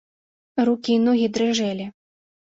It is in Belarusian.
Рукі і ногі дрыжэлі.